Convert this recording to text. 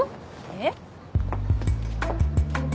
えっ？